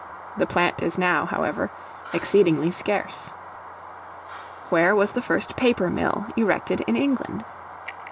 The plant is now, however, exceedingly scarce. Where was the first Paper Mill erected in England?